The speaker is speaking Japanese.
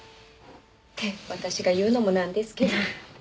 って私が言うのもなんですけど。